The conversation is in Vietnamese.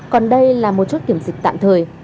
còn đây là một chốt kiểm dịch tạm thời